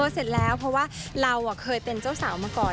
เสร็จแล้วเพราะว่าเราเคยเป็นเจ้าสาวมาก่อน